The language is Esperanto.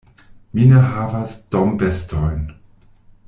Mi ne havas dombestojn.